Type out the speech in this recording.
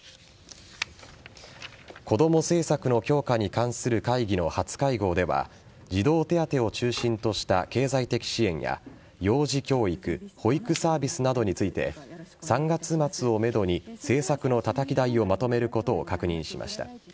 こども政策の強化に関する会議の初会合では児童手当を中心とした経済的支援や幼児教育保育サービスなどについて３月末をめどに政策のたたき台をまとめることを確認しました。